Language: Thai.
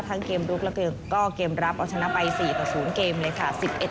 ทั้งเกมลุกและเกมรับเอาชนะไป๔๐เกมเลยค่ะ